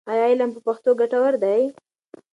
ایا علم په پښتو ګټور دی؟